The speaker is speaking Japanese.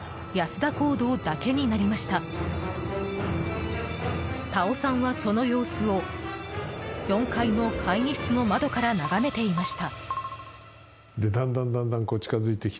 田尾さんは、その様子を４階の会議室の窓から眺めていました。